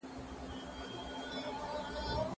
خدای پاک د بندګانو څخه یوازې پوهه او عمل غواړي.